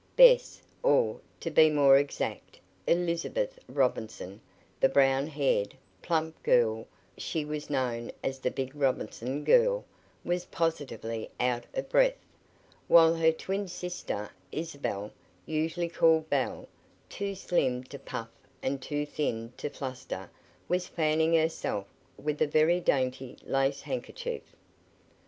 Bess, or, to be more exact, Elizabeth Robinson, the brown haired, "plump" girl she who was known as the "big" Robinson girl was positively out of breath, while her twin sister, Isabel, usually called Belle, too slim to puff and too thin to "fluster," was fanning herself with a very dainty lace handkerchief.